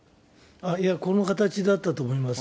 いや、この形だったと思います。